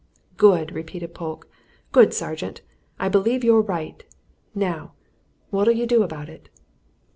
"Good!" repeated Polke. "Good, sergeant! I believe you're right. Now, what'll you do about it?"